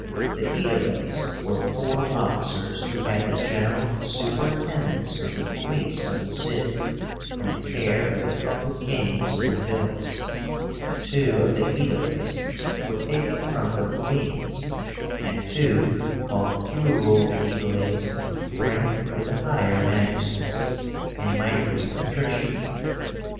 The Aediles were four officers who had the general superintendence of the police of the city, and the care of the public games and buildings. Two of the Aediles were taken from the plebeians, and two, called Curule Aediles, ranked with the higher magistrates, and might be patricians.